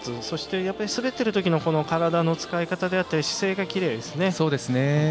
そしてやっぱり滑っているときの体の使い方であったり姿勢がきれいですね。